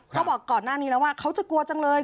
ก็บอกก่อนหน้านี้แล้วว่าเขาจะกลัวจังเลย